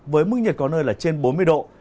với mức nhiệt có nơi là trên bốn mươi độ